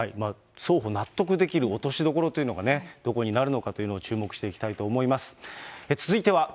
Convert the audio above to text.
双方、納得できる落としどころっていうのがね、どこになるのかというのを注目していきたいと思います。